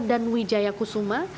dan wijaya kusuma